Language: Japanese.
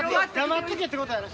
黙っとけってことやな。